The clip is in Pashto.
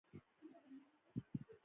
هېواد د عزت بنسټ دی.